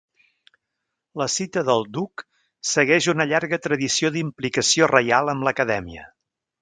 La cita del duc segueix una llarga tradició d'implicació reial amb l'acadèmia.